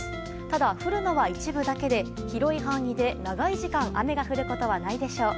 ただ、降るのは一部だけで広い範囲で長い時間雨が降ることはないでしょう。